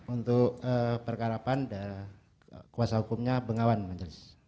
untuk perkara pandai kuasa hukumnya bengawan majelis